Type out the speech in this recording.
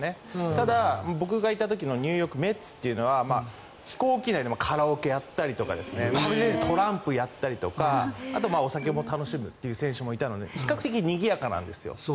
ただ、僕がいた時のニューヨーク・メッツというのは飛行機内でもカラオケをやったりとかトランプをやったりとかあとはお酒も楽しむという選手がいたので比較的にぎやかなんです。